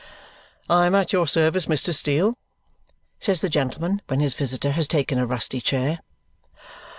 "I am at your service, Mr. Steel," says the gentleman when his visitor has taken a rusty chair.